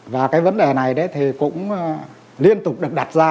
và cái vấn đề này thì cũng liên tục được đặt ra